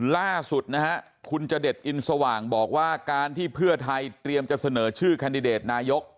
ล่าสุดนะฮะคุณจเดชอินสว่างบอกว่าการที่เพื่อไทยเตรียมจะเสนอชื่อแคนดิเดตนายก